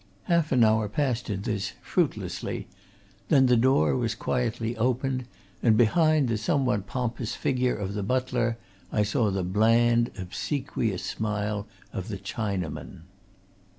Half an hour passed in this fruitlessly; then the door was quietly opened and behind the somewhat pompous figure of the butler I saw the bland, obsequious smile of the Chinaman.